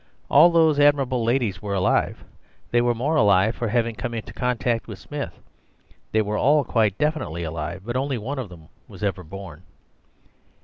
"All those admirable ladies were alive. They were more alive for having come into contact with Smith. They were all quite definitely alive, but only one of them was ever born."